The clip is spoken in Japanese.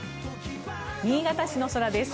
新潟市の空です。